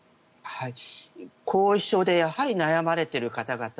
後遺症でやはり悩まれている方々